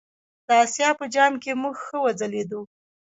د آسیا په جام کې موږ ښه وځلیدو.